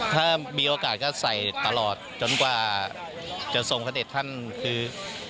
ถ้ามีโอกาสก็ใส่ตลอดจนกว่าจะทรงพระเด็จท่านคือ